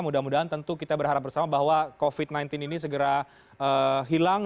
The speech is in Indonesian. mudah mudahan tentu kita berharap bersama bahwa covid sembilan belas ini segera hilang